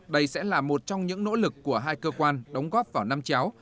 đây sẽ là một trong những nỗ lực của hai cơ quan đóng góp vào năm chéo